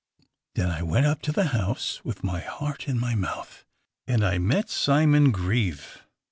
Then I went up to the house, with my heart in my mouth, and I met Simon Grieve.